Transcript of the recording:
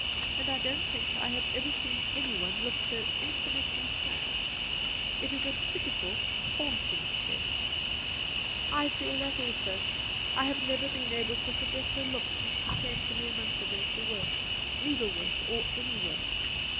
And I don't think I have ever seen anyone look so infinitely sad. It is a pitiful, haunting face,' 10 146 Cassidy ' I feel that also. I have never been able to forget her look since she came to me a month ago for work — needlework or any work.